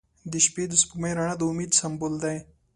• د شپې د سپوږمۍ رڼا د امید سمبول دی.